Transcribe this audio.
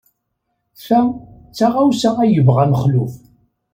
Ta d taɣawsa ay yebɣa Mexluf.